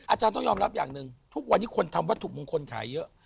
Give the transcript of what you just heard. อาจารย์ต้องยอมรับอย่างหนึ่งทุกวันนี้คนทำวัตถุมงคลขายเยอะ